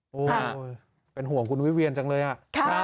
โอ้โหเป็นห่วงคุณวิเวียนจังเลยอ่ะ